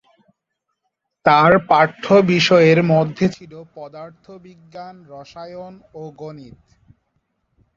তার পাঠ্য বিষয়ের মধ্যে ছিল- পদার্থবিজ্ঞান, রসায়ন ও গণিত।